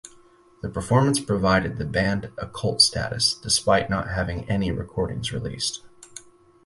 The performance provided the band a cult status, despite not having any recordings released.